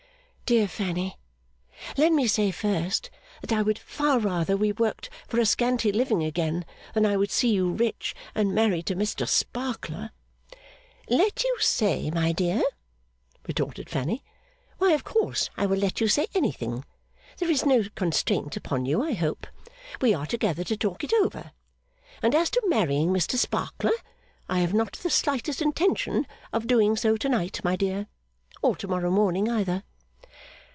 'Dear Fanny, let me say first, that I would far rather we worked for a scanty living again than I would see you rich and married to Mr Sparkler.' 'Let you say, my dear?' retorted Fanny. 'Why, of course, I will let you say anything. There is no constraint upon you, I hope. We are together to talk it over. And as to marrying Mr Sparkler, I have not the slightest intention of doing so to night, my dear, or to morrow morning either.